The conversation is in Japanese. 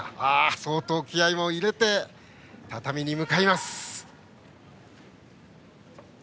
相当気合いを入れて畳に向かいました、池田。